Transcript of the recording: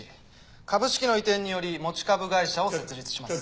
株式の移転により持ち株会社を設立します。